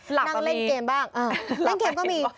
หลักก็มีนั่งเล่นเกมบ้างเออเล่นเกมก็มี